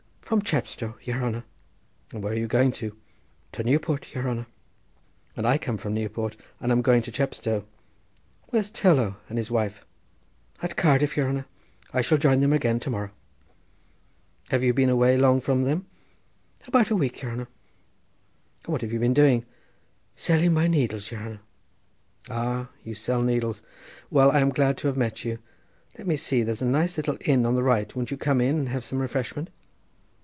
"From Chepstow, yere hanner." "And where are you going to?" "To Newport, yere hanner." "And I come from Newport, and am going to Chepstow. Where's Tourlough and his wife?" "At Cardiff, yere hanner; I shall join them again to morrow." "Have you been long away from them?" "About a week, yere hanner." "And what have you been doing?" "Selling my needles, yere hanner." "Oh! you sell needles. Well, I am glad to have met you. Let me see. There's a nice little inn on the right: won't you come in and have some refreshment?"